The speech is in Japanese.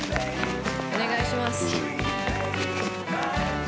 お願いします。